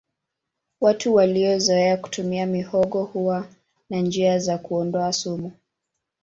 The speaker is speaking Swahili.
watu waliozoea kutumia mihogo huwa na njia za kuondoa sumu